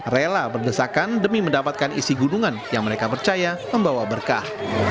rela berdesakan demi mendapatkan isi gunungan yang mereka percaya membawa berkah